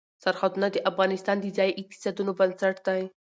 سرحدونه د افغانستان د ځایي اقتصادونو بنسټ دی.